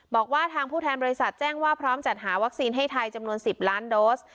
บอกว่าทางผู้แทนบริษัทแจ้งว่าพร้อมจัดหาวัคซีนให้ไทยจำนวน๑๐ล้านโดส